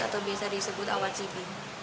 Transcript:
atau biasa disebut awan sipi